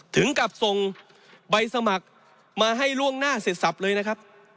ถึงกับส่งใบสมัครมาให้ล่วงหน้าเสร็จสับเลยนะครับ